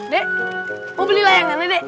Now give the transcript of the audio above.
nek mau beli layangannya nek